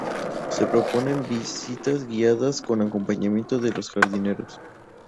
Se proponen visitas guiadas, con acompañamiento de los jardineros.